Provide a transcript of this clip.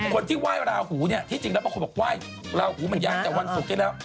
คนที่ไหว้ราหูเนี่ยที่จริงแล้วบางคนบอกไหว้ลาหูมันยังแต่วันศุกร์ที่แล้ว